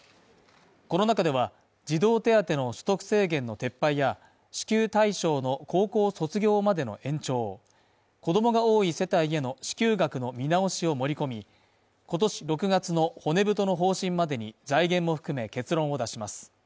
この中では、児童手当の所得制限の撤廃や支給対象の高校卒業までの延長、子供が多い世帯への支給額の見直しを盛り込み今年６月の骨太の方針までに、財源も含め結論を出します。